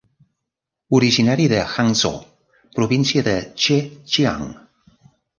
Originari de Hangzhou, província de Zhejiang.